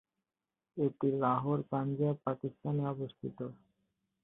এটি লাহোর, পাঞ্জাব, পাকিস্তান এ অবস্থিত।